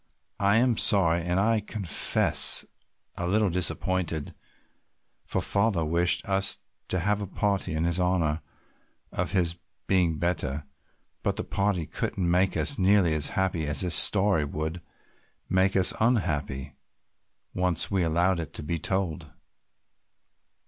I am sorry and I confess a little disappointed, for father wished us to have a party in honor of his being better, but the party couldn't make us nearly as happy as this story would make us unhappy once we allowed it to be told."